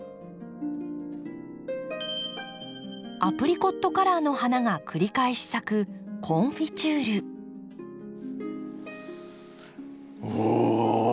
アプリコットカラーの花が繰り返し咲くおっ！